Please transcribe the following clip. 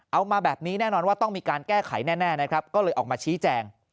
เอามาแบบนี้แน่นอนว่าต้องมีการแก้ไขแน่นะครับก็เลยออกมาชี้แจง